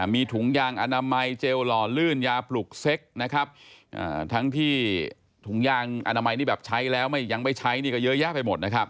มีถุงยางอนามัยเจลหล่อลื่นยาปลุกเซ็กนะครับทั้งที่ถุงยางอนามัยนี่แบบใช้แล้วไม่ยังไม่ใช้นี่ก็เยอะแยะไปหมดนะครับ